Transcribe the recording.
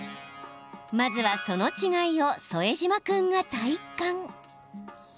まずは、その違いを副島君が体感。